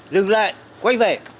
dừng lại quay về